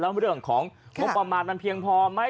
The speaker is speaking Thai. แล้วเรื่องของงบประมาณมันเพียงพอไหม